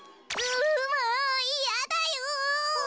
うもういやだよ。